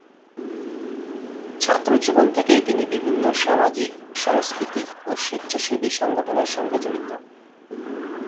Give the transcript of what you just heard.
ছাত্রজীবন থেকেই তিনি বিভিন্ন সামাজিক, সাংস্কৃতিক ও স্বেচ্ছাসেবী সংগঠনের সঙ্গে জড়িত।